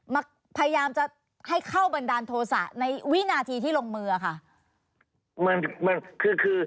มาพยายามจะให้เข้าบันดาลโทษะในวินาทีที่ลงมือค่ะ